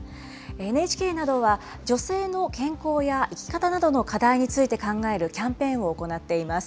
ＮＨＫなどは、女性の健康や生き方などの課題について考えるキャンペーンを行っています。